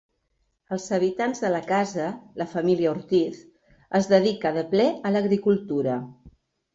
Els habitants de la casa, la família Ortiz, es dedica de ple a l'agricultura.